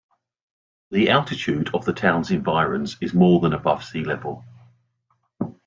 The altitude of the town's environs is more than above sea level.